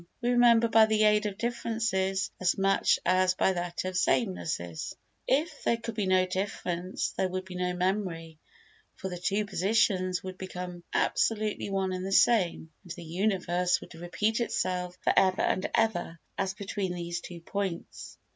We remember by the aid of differences as much as by that of samenesses. If there could be no difference there would be no memory, for the two positions would become absolutely one and the same, and the universe would repeat itself for ever and ever as between these two points.